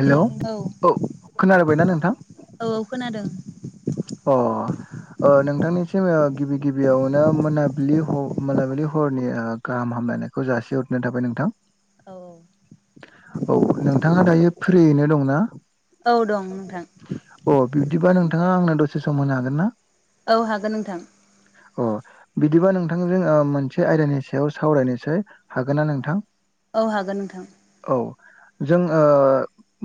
Hello औ खोनाबायना नोंथां औ खोनादों अ ओ नोंथांनिसिम गिबि गिबियावनो मोनाबिलि ह मोनाबिलि हरनि ओ गाहाम हामलायनायखौ जासिहरग्रोनाय थाबाय नोंथां औ औ नोंथाङा दायो फ्रियैनो दंना औ दं नोंथां अ बिब्दिबा नोंथाङा आंनो दसे सम होनो हागोनना औ हागोन नोंथां अ बिदिबा नोंथांजों मोनसे आयदानि सायाव सावरायनोसै हागोनना नोंथां औ हागोन नोंथां औ जों ओ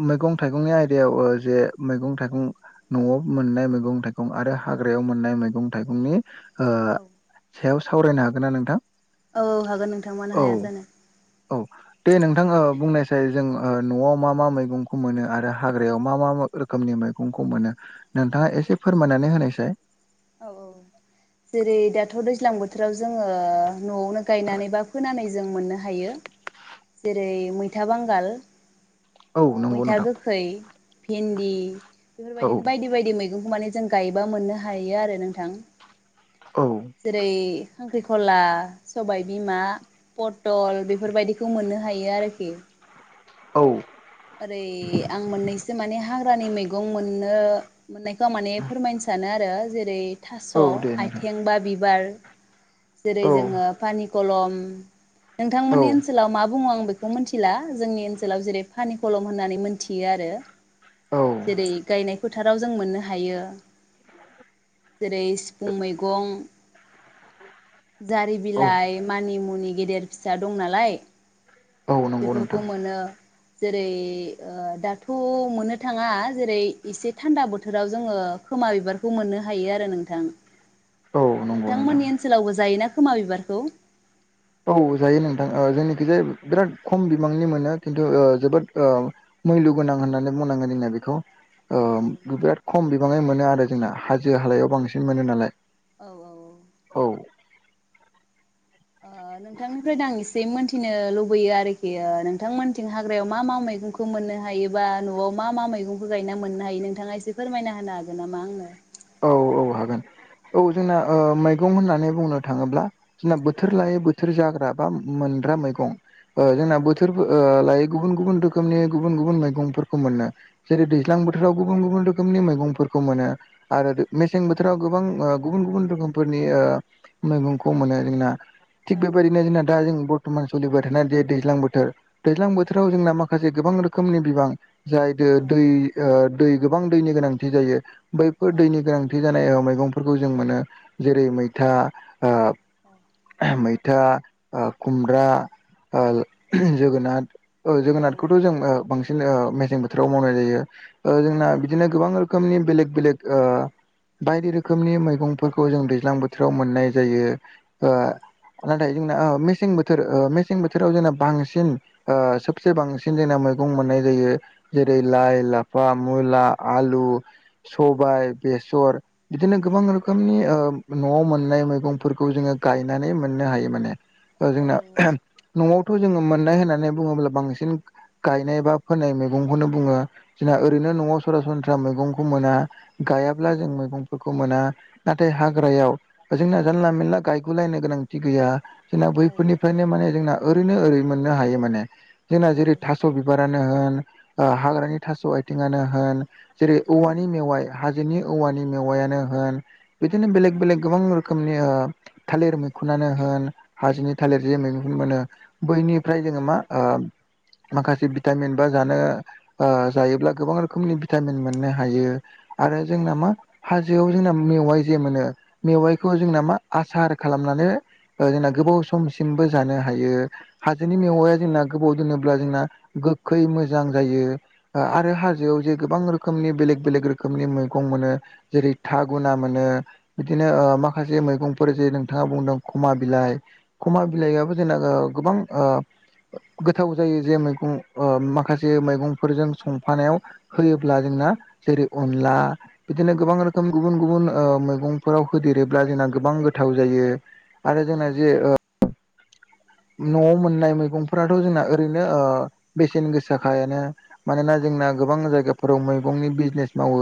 मैगं थाइगंनि आयदायाव जे मैगं थाइगं न'आव मोननाय मैगं थाइगं आरो हाग्रायाव मोननाय मैगं थाइगंनि ओ औ सायाव सावरायनो हागोनना नोंथां औ हागोन नोंथां औ मोनो हाया जानो औ दे नोंथां बुंनायसाय जों न'आव मा मा मैगं मैगंखौ मोनो आरो हाग्रायाव मा मा रोखोमनि मैगंखौ मोनो नोंथाङा एसे फोरमायनानै होनायसै औ औ जेरै दाथ दैज्लां बोथोराव जोङो न'आवनो गायनानै बा फोनानै जों मोननो हायो जेरै मैथा बांगाल औ नंगौ मैथा नोंथां गोखै भिन्दि औ बेफोरबायदिनो बायदि बायदि मैगं बेखौ माने जों गायोबा मोननो हायो आरो नोंथां औ जेरै खांख्रिखला सबाइ बिमा, पटल बेफोरबायदिखौ मोननो हायो आरोखि औ ओरै आं मोननैसो माने हाग्रानि मैगं मोननो मोननायखौ आं माने फोरमायनो सानो आरो जेरै थास औ दे नोंथां आइथें बा बिबार जेरै औ जोङो पानिकलम औ नोंथांमोननि ओनसोलाव मा बुङो आं बे खौ मिथिला जोंनि ओनसोलाव जेरै पानि कलम होननानै मोनथियो आरो औ जेरै गायनाय फोथाराव जों मोननो हायो जेरै सिफुं मैगं औ जारिबिलाइ मानिमुनि गेदेर फिसा दं नालाय औ नंगौ नोंथां बेफोरखौ मोनो जेरै दाथ मोननो थाङा जेरै एसे थान्दा बोथोराव जोङो खोमा बिबारखौ मोननो हायो आरो नोंथां औ नंगौ नोंथां नोंथांमोननि ओनसोलावबो जायोना खोमा बिबारखौ औ जायो नोंथां जोंनिखिजाया बिराद खम बिबांनि मोनो खिन्थु ओ जोबोद ओ मैलु गोनां होननानै बुंनांगो जोंना बेखौ ओ औ बिराद खम बिबाङै मोनो आरो जोंना हाजो हालायाव बांसिन मोनो नालाय औ औ औ औ नोंथांनिफ्राय दां एसे मोनथिनो लुबैयो आरोखि ओ नोंथांमोनथि हाग्रायाव मा मा मैगंखौ मोननो हायो जा न'वाव मा मा मैगंखौ गायना मोननो हायो नोंथाङा एसे फोरमायना होनो हागोन नामा आंनो औ औ हागोन औ जोंना मैगं होननानै बुंनो थाङोब्ला जोंना औ बोथोर लायै बोथोर जाग्रा बा मोनग्रा मैगं ओ औ जोंना बो थोर ओ लायो गुबुन गुबुन रोखोमनि गुबुन गुबुन मैगंफोरखौ मोनो जेरै औ दैज्लां बो थोराव गुबुन गुबुन रोखोमनि मैगंफोरखौ मोनो आरो मेसें बोथोराव गोबां ओ गुबुन गुबुन रोखोमफोरनि ओ मैगंखौ मोनो जोंना औ थिग बेबायदिनो जोंना दा जों बर्थमान सलिबाय थानाय जे दैज्लां बोथोर औ दैज्लांथोराव जोंना मा खासे गोबां रोखोमनि बिबां जाय दो दै ओ दै गोबां दैनि गोनांथि जायो बैफोर औ दैनि गोनां थि जानाय मैगंफोरखौ जों मोनो जेरै मैथा आ मैथा ओ खुमब्रा ओ जोगोनार ओ जोगोनारखौथ जों ओ बांसि न मेसें बोथोराव मावनाय जायो ओ जोंना बिदिनो गोबां रोखोमनि बेलेग बेलेग ओ बायदि रोखोमनि मैगं फोरखौ जों दैज्लां बोथोराव मोननाय जायो ओ नाथाय जोंना ओ मेसें बोथोर ओ मेसें बोथोराव जोंना बांसिन ओ सबसे बांसिन जोंना मैगं मोननाय जायो जेरै औ लाइ, लाफा, मुला, आलु, सबाइ, बेसर बिदिनो गोबां रोखोमनि ओ न'वाव मोननाय मैगंफोरखौ जोङो गायनानै मोननो हायो माने। ओ औ जोंना औ न'वावथ' जोङो मोननाय होननानै बुङोब्ला बांसिन गायनाय बा फोननाय मैगंखौनो बुङो जोंना ओरैनो न'वाव सरासनस्रा मैगंखौ मोना। औ गायाब्ला जों मैगं फोरखौ मोना नाथाय हाग्रायाव जोंना जानला मेनला गायगुलायनो गोनांथि गैया। जोंना बैफोरनिफ्रायनो माने जोंना ओरैनो ओरै मोननो हायो माने जोंना जेरै था स' बिबारानो होन ओ हाग्रानि थास' आथिङानो होन जेरै औवानि मेवाइ हाजोनि औवानि मेवायानो होन बिदिनो बेलेग बेलेग गोबां रोखोमनि ओ थालिर मैखुनानो होन हाजोनि थालिर जे मै मैखुन मोनो। बैनिफ्राय जोङो मा ओ माखासे भिटामिन बा जानो ओ जायोब्ला गोबां रोखोमनि भिटामिन मोननो हायो। आरो जोंना मा हाजोआव जोंना मेवाइ जे मोनो मेवाइखौ जोंना मा आसार खालामनानै। जोंना गोबाव समसिमबो जानो हायो हाजोनि मेवाइआ जोंना। गोबाव दोनोब्ला जोंना गोखै मोजां जायो। आंआआरो हाजोआव जे गोबां रोखोमनि बेलेग बेलेग रोखोम रोखोमनि मैगं मोनो जेरै थागुना मोनो बिदिनो माखासे मैगं फोर जे नोंथाङा बुंदों खमा बिलाइ खमा बिलाइयाबो ओ जोंना गोबां ओ गोथाव जायो जे मैगं ओ माखासे मैगंफोरजों संफानायाव होयोब्ला जोंना जेरै अनला बिदिनो गोबां रोखोम गुबुन गुबुन ओ मैगंफोराव होदेरोब्ला जोंना गोबां गोथाव जायो आरो जोंना जे ओ न'वाव मोननाय मैगंफोराथ' जोंना ओरैनो ओ बेसेन गोसाखायानो मानोना जोंना गोबां जायगाफोराव मैगंनि बिजनेस मावो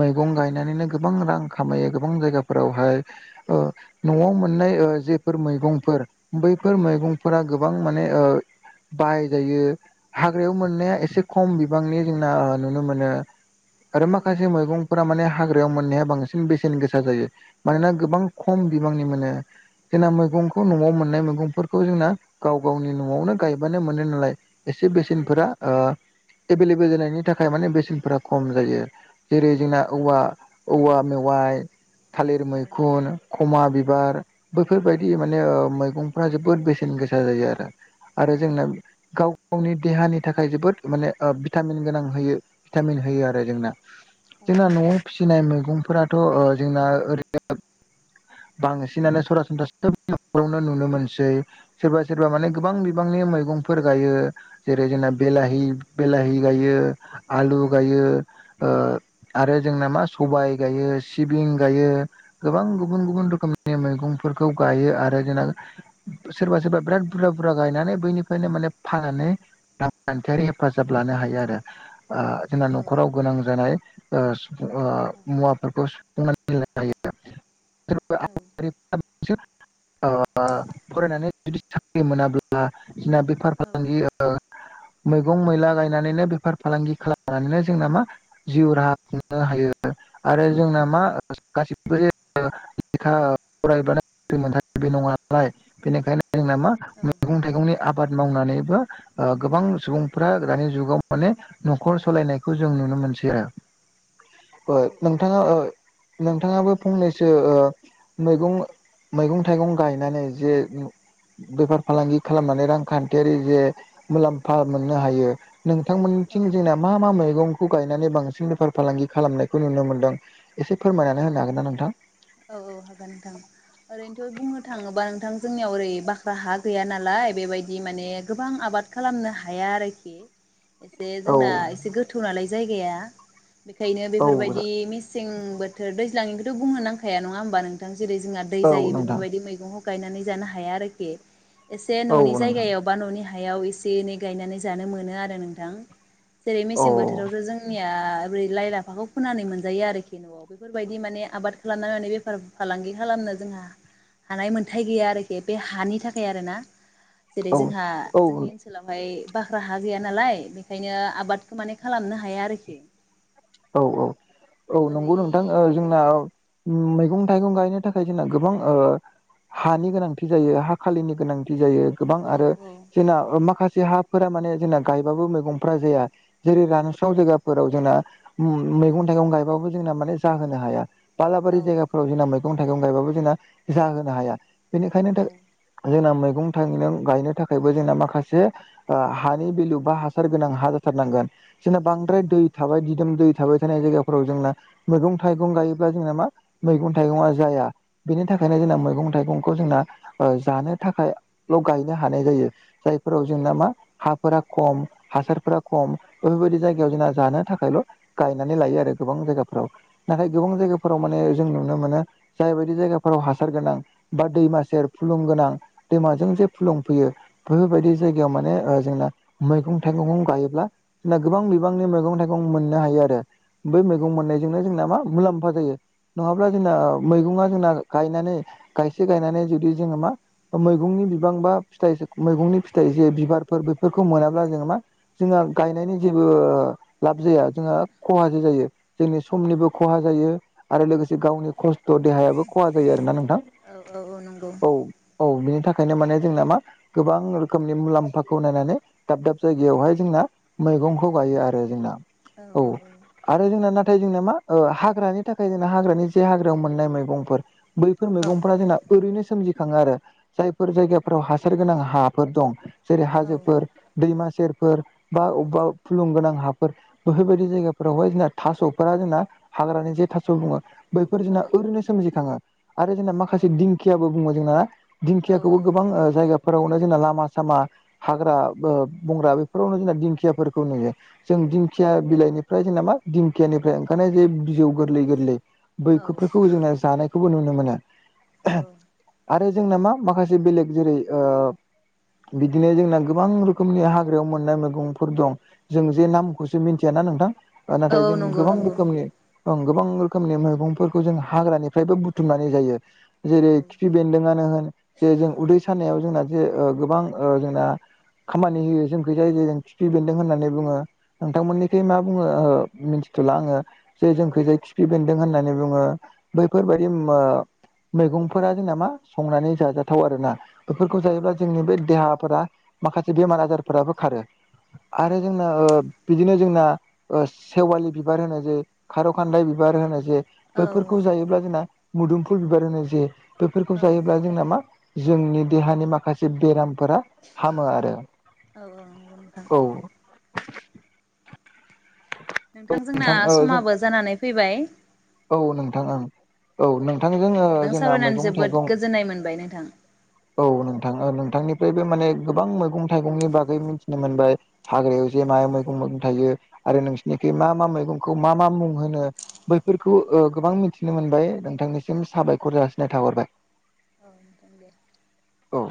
मैगं गायनानैनो। गोबां रां खामायो गोबां जायगाफोरावहाय। न'आव मोननाय जेफोर मैगंफोर बैफोर मैगंफोरा। गोबां माने ओ बाहाय जायो। हाग्रायाव मोननाया एसे खम बिबांनि जोंना नुनो मोनो आरो माखासे मैगं फोरा माने हाग्रायाव मोननाया बांसिन बेसेन गोसा जायो मानोना गोबां खम बिबांनि मोनाने जोंना मैगंखौ न'आव मोननाय मैगंफोरखौ जोंना गाव गावनि न'आवनो गायबानो मोनो नालाय। एसे बेसेनफोरा ओ एभेलेबेल जानायनि थाखाय माने बेसेनफोरा खम जायो। जेरै जोंना औवा औवा मेवाइ थालिर मैखुन ख'मा बिबार बैफोरबायदि माने ओ मैगंफ्रा जोबो बोद बेसेन गोसा जायो आरो आरो जोंना गाव गावनि देहानि थाखाय जोबोद माने भिटामिन गोनां होयो। भिटामिन होयो आरो जोंना जोंना न'आव। फिसिनाय मैगंफोराथ' ओ जोंना ओरैनो। बांसिनानो सरासनस्रासोबावनो नुनो मोनसै। सै सोरबा सोरबा माने गोबां बिबांनि मैगंफोर गायो। जेरै जोंना बिलाहि बिलाहि गायो आलु गायो। ओ आरो जोंना मा सबाय गायो सिबिं गायो गोबां। गुबुन गुबुन रोखोमनि मैगंफोरखौ गायो आरो जोंना। सोरबा सोरबा बिराद बुरजा बुरजा गायनानै बैनिफ्रायनो माने फाननानै रांखानथियारि हेफाजाब लानो हायो आरो ओ जोंना न'खराव गोनां जानाय ओ औ मुवाफोरखौ सुफुंनानै [unintelligible] औ [unintelligible] फरायनानै जुदि साख्रि मोनाब्ला जोंना बे बेफार फालांगि मैगं मैला गायनानैनो बेफार फालांगि खालामनानैनो जोंना मा जिउ राहा खुंनो हायो आरो जोंना मा गासिबो लेखा फरायबानो साख्रि मोनथारो बे नङानालाय बेनिखायनो जोंना मा मैगं थाइगंनि आबाद मावनानैबो गोबां सुबुंफ्रा दानि जुगाव माने न'खर सालायनायखौ जों नुनो मोनसै आरो [inaudible] औ नोंथाङा ओ नोंथाङाबो फंनैसो ओ मैगं मैगं थाइगं गायनानै जे बेफार फालांगि खालामनानै रांखानथियारि जे मुलामफा मोननो हायो नोंथांमोनथिं जोंना मा मा मैगंखौ गायनानै बांसिन बेफार फालांगि खालामनायखौ नुनो मोनदों एसे फोरमायनानै होनो हागोन ना नोंथां? औ औ हागोन नोंथां ओरैनोथ' बुंनो थाङोबा नोंथां जोंनियाव ओरै बाख्रा हा गैया नालाय बेबायदि माने गोबां आबाद खालामनो हाया आरोखि एसे औ जोंना एसे गोथौ नालाय जायगाया बेखायनो औ बेफोरबायदि मेसें बोथोर दैज्लांनिखौथ बुंनो नांखाया नङा होमबा नोंथां जेरै जोंहा दै औ जायो नोंथां बेफोरबायदि मैगंखौ गखयनानै जानो हाया आरोखि एसे औ न'नि नोंथां जायगायाव बा न'नि हायाव एसे एनै गायनानै जानो मोनो आरो नोंथां जेरै औ मेसें बोथोरावथ जों जोंनिया ओरै लाइ लाफाखौ फोननानै मोनजायो आरोखि न'आव बेफोरबायदि माने आबाद [unintelligible] बेफार फालांगि खालामनो जोंहा हानाय मोनथाय गैया आरोखि बे हानि थाखाय आरोना जेरै औ जोंहा औ जोंनि ओनसोल ओनसोलावहाय बाख्रा हा गैया नालाय बेखायनो आबादखौ माने खालामनो हाया आरोखि औ औ औ नंगौ ओरै नोंथां ओ जोंना मैगं थाइगं गायनो थाखाय जोंना गोबां ओ हानि गोनांथि जायो हा खालिनि गोनांथि जायो गोबां औ आरो जोंना माखासे हा फोरा माने जोंना गायबाबो मैगंफ्रा जाया जेरै रानस्राव जायगाफोराव जोंना मैगं थाइगं गायबाबो जोंना माने जाहोनो हाया औ बालाबारि जायगाफ्राव जोंना मैगं थाइगं गायबाबो जोंना जाहोनो हाया बेनिखायनो दा जोंना मैगं थाइगं गायनो थाखायबो जोंना माखासे हानि भेलु बा हासार गोनां हा जाथारनांगोन जोंना औ बांद्राय दै थाबाय दिदोम दै थाबाय थानाय जायगाफोराव जोंना मैगं थाइगं गायोब्ला जोंना मा मैगं थाइगङा जाया बेनिथाखायनो औ जोंना मैगं थाइगंखौ जोंना जानो थाखायल गायनो हानाय जायो जायफोराव जोंना मा हाफोरा खम हासारफोरा खम बेफोरबायदि जायगायाव जोंना जानो थाखायल गायनानै लायो आरो गोबां जायगाफोराव नाथाय औ गोबां जायगाफोराव माने जों नुनो मोनो जायबायायदि जायगाफोराव हासार गोनां बा दैमा सेेर फुलुं गोनां दैमाजों जे फुलुंफैयो बेफोरबायदि जाय गायाव माने जोंना मैगं थाइगंखौ गायोब्ला जोंना गोबां बिबांनि मैगं थाइगं मोननो हायो आरो बै मैगं मोननायजोंनो जोंना मा मुलाम्फा जायो नङाब्ला जोंना मैगङा जोंना गायनानै गायसे गायनानै जुदि जोङो मा मैगंनि बिबां बा फिथ मैगंनि फिथाइ जे बिबारफोर बेफोरखौ मोनाब्ला जोङो मा जोंहा गायनायनि जेबो लाब जाया जोंहा खहासो जायो जोंनि औ समनिबो खहा जायो आरो लोगोसे गावनि खस्थ देहायाबो खहा जायो आरोना नोंथां औ औ नंगौ औ औ बिनि थाखायनो माने जोंना मा गोबां रोखोमनि मुलाम्फाखौ नायनानै दाब दाब जायगायावहाय जोंना मैगंखौ गायो आरो जोंना औ औ औ आरो जोंना नाथाय जोंना मा ओ हाग्रानि थाखाय जोंना हाग्रानि जे हाग्रायाव मोननाय मैगंफोर बैफोर औ मैगंफोरा जोंना ओरैनो सोमजिखाङो आरो जायफोर जायगाफोराव हासार गोनां हा फोर दं जेरै हाजोफोर दैमा सेरफोर बा अबेबा फुलुंगोनां हाफोर बेफोरबायदि जायगाफोरावहाय जोंना थास'फोरा जोंना हाग्रानि जे थास' बुङो बैफोर जोंना औ ओरैनो सोमजिखाङो आरो जोंना माखासे दिंखियाबो बुङो जोंना औ दिंखियाखौबो औ गोबां ओ जायगाफोरावनो जोंना लामा सामा हाग्रा बो बंग्रा बेफोरावनो जोंना दिंखियाफोरखौ नुयो जों दिंखिया बिलाइनि फ्राय जोंना मा दिंखियानिफ्राय ओंखायनो जे बिजौ गोरलै गोरलै औ बैखफोरखौ जों जानाय बे खौबो नुनो मोना। औ आरो जोंना मा माखासे बेलेग जेरै ओ बिदिनो जोंना गोबां रोखोमनि हाग्रायाव मोननाय मैगंफोर दं। जों जे नामखौसो मिथियाना नोंथां औ नाथाय औ जों नंगौ गोबां नंगौ रोखोमनि ओं गोबां रोखोमनि मैगंफोरखौ जों हाग्रानिफ्रायबो बुथुमनानै जायो जेरै औ खिफ बेन्दोंआनो होन जे जों उदै सानायाव जोंना जे ओ गोबां ओ जोंना। खामानि होयो जोंखै जाय जाय जों खिफि बेन्दों होननानै बुङो। औ नोंथांमोननिखाय मा बुङो ओ मिथिथ'ला आङो जे औ जोंखौ जायि खाफि बेन्दों होननानै बुङो बैफोरबायदि मैगंफोरा जोंना मा संनानै जाजाथाव आरोना। बेफोरखौ जायोब्ला जोंनि बे देहाफोरा माखासे बेमार आजारफोराबो खारो। आरो जोंना ओ बिदिनो जोंना ओ सेवालि बिबार होनो जे खार' खान्दाय बिबार होनो जे औ बैफोरखौ जायोब्ला जोंना मुदुमफुल बिबार होनो जे बेफोरखौ औ जायोब्ला जोंना मा जोंनि देहानि माखासे बेरामफोरा हामो आरो नंगौ नोंथां औ नोंथां जोंना ओ जों समाबो जानानै फैबाय औ नोंथां ओं औ नोंथां जोङो नोंथांजों जोंना सावरायनानै मैगं जोबोद थाइगं गोजोननाय मोनबाय नोंथां औ नोंथां नोंथांनिफ्रायबो माने गोबां मैगं थाइगंनि बागै मिथिनो मोनबाय। हाग्रायाव जे मा मैगं मैगं थायो आरो नोंसोरनिखि मा मा मैगंखौ मा मा मुं होनो। फोरखौ ओ गोबां मिथिनो मोनबाय नोंथांनिसिम साबायखर जासिनाय थाहरबाय। [inaudible] औ